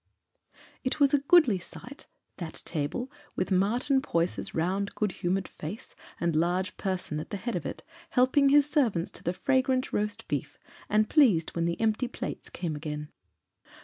It was a goodly sight that table, with Martin Poyser's round good humoured face and large person at the head of it, helping his servants to the fragrant roast beef, and pleased when the empty plates came again.